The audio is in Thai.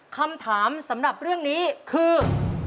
คำถามสำหรับเรื่องนี้คือ